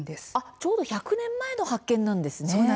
ちょうど１００年前なんですね。